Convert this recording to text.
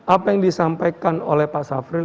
apa yang disampaikan oleh pak safri